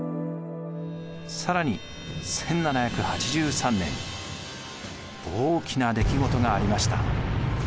更に１７８３年大きな出来事がありました。